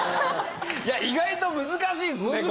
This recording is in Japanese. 意外と難しいっすねこれ。